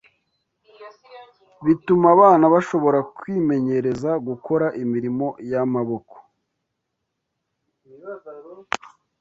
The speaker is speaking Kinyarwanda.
bituma abana bashobora kwimenyereza gukora imirimo y’amaboko